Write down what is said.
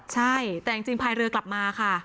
ใช่แต่จริงพายเรือกลับมาค่ะ